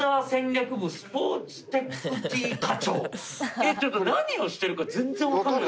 えっちょっと何をしてるか全然わからない。